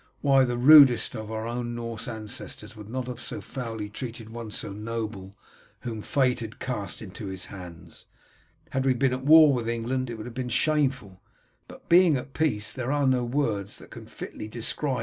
Why, the rudest of our own Norse ancestors would not have so foully treated one so noble whom fate had cast into his hands. Had we been at war with England it would be shameful, but being at peace there are no words that can fitly describe the outrage."